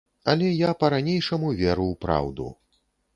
Але я па-ранейшаму веру ў праўду.